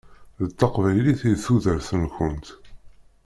D taqbaylit i d tudert-nkent.